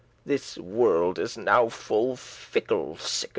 * This world is now full fickle sickerly*.